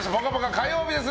火曜日です。